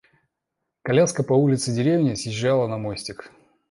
Коляска по улице деревни съезжала на мостик.